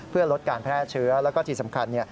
เพื่อลดการแพร่เชื้อแล้วก็ที่สำคัญ